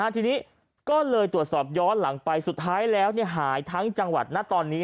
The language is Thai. ทีนี้ก็เลยตรวจสอบย้อนหลังไปสุดท้ายแล้วหายทั้งจังหวัดนะตอนนี้